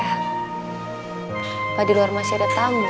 apa di luar masih ada tamu